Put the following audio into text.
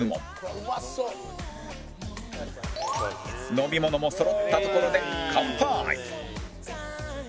飲み物もそろったところで乾杯！